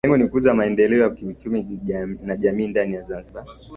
Lengo ni kukuza maendeleo ya kiuchumi na kijamii ndani ya Zanzibar